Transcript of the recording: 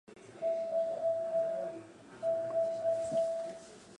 さかなは水族館に住んでいます